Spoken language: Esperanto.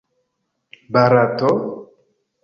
Barato?